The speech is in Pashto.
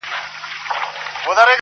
o څو ټپې نمکیني څو غزل خواږه خواږه لرم,